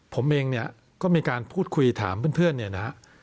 ผมเองเนี่ยก็มีการพูดคุยถามเพื่อนเนี่ยนะฮะ